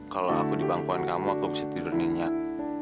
kalau aku di bangkuan kamu aku bisa tidur nyenyak